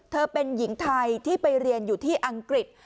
เป็นหญิงไทยที่ไปเรียนอยู่ที่อังกฤษ